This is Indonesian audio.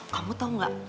kamu tahu nggak